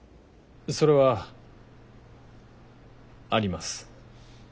それはあります。